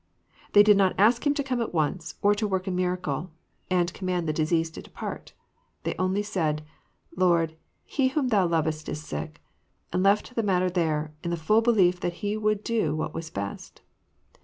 They did not ask Him to come at once, or to work a miracle, and^ljommand the disease to depart. They only said,^' Lord, he whom Thou lovest is sick," and left the matter there, in the fall belief that He would do what was best.